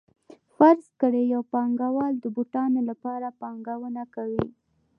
فرض کړئ یو پانګوال د بوټانو لپاره پانګونه کوي